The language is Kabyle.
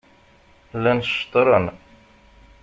Llan ceṭṛen.